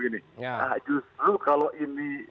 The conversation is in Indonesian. nah justru kalau ini